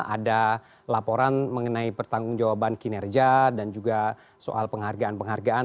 ada laporan mengenai pertanggung jawaban kinerja dan juga soal penghargaan penghargaan